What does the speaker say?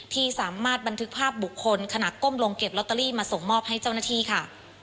ที่สามารถบันทึกภาพบุคคลขณะก้มลงเก็บลอตเตอรี่มาส่งมอบให้เจ้าหน้าที่ค่ะ